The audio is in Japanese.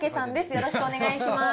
よろしくお願いします。